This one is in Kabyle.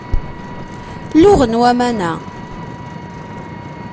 Luɣen waman-a.